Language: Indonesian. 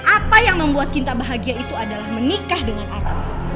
apa yang membuat kita bahagia itu adalah menikah dengan arko